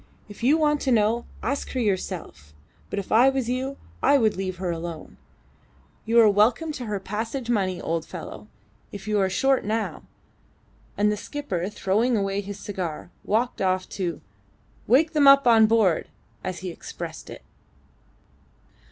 If you want to know, ask her yourself; but if I was you I would leave her alone. You are welcome to her passage money, old fellow, if you are short now." And the skipper, throwing away his cigar, walked off to "wake them up on board," as he expressed it.